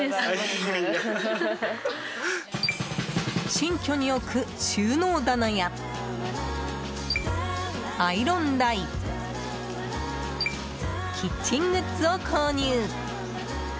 新居に置く収納棚やアイロン台キッチングッズを購入。